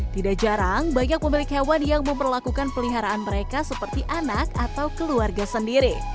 tidak jarang banyak pemilik hewan yang memperlakukan peliharaan mereka seperti anak atau keluarga sendiri